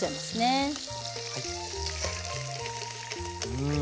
うん。